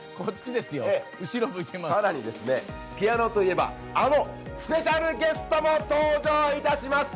さらに、ピアノといえばあのスペシャルゲストも登場いたします。